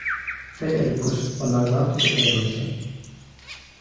Tegelikkus on aga natukene keerulisem.